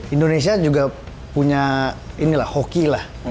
indonesia juga punya ini lah hockey lah